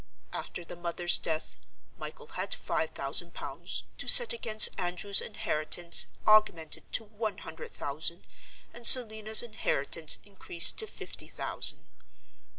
After the mother's death, Michael had five thousand pounds, to set against Andrew's inheritance augmented to one hundred thousand, and Selina's inheritance increased to fifty thousand.